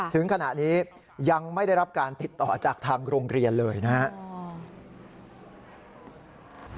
ถึงขณะนี้ยังไม่ได้รับการติดต่อจากทางโรงเรียนเลยนะครับ